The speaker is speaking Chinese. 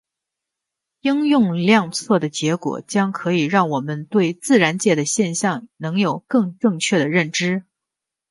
应用量测的结果将可以让我们对自然界的现象能有更正确的认知。